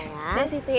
ya udah sih ti